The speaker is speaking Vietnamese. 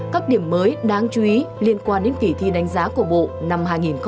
các điểm mới đáng chú ý liên quan đến kỷ thi đánh giá của bộ năm hai nghìn hai mươi ba